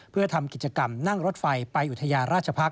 เพื่อทำกิจกรรมนั่งรถไฟไปอุทยาราชพักษ